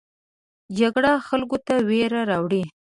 جګړه خلکو ته ویره راوړي